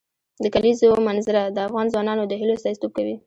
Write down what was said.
د کلیزو منظره د افغان ځوانانو د هیلو استازیتوب کوي.